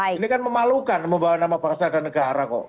ini kan memalukan membawa nama bangsa dan negara kok